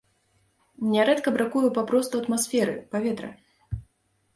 Нярэдка бракуе папросту атмасферы, паветра.